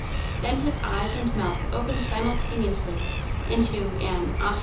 Then his eyes and mouth opened simultaneously into an "Ahi!"